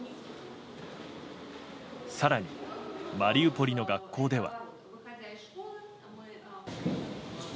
更に、マリウポリの学校では。